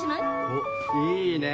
おっいいね。